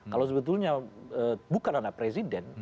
kalau sebetulnya bukan anak presiden